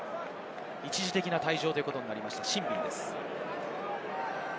一時的な退場ということになりました、シンビンです。